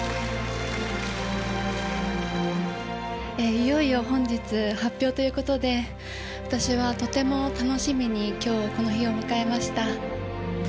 いよいよ本日発表ということで私はとても楽しみに今日この日を迎えました。